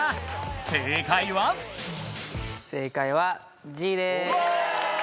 正解は正解はＧです！